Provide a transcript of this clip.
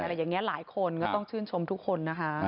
อะไรอย่างนี้หลายคนก็ต้องชื่นชมทุกคนนะคะ